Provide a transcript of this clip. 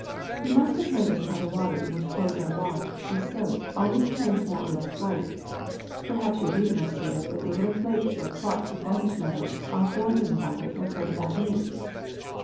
You must have noticed how the water in which clothes are washed with soap always turns more or less white ; perhaps you have even observed that little flakes or clots of whitish matter are formed in the water and float about in it."